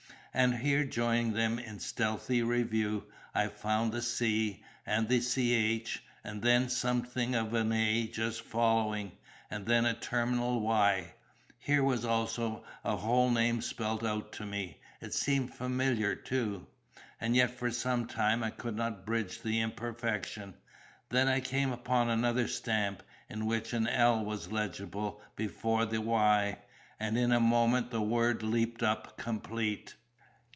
And here joining them in stealthy review, I found the C and the CH; then something of an A just following; and then a terminal Y. Here was also the whole name spelt out to me; it seemed familiar, too; and yet for some time I could not bridge the imperfection. Then I came upon another stamp, in which an L was legible before the Y, and in a moment the word leaped up complete.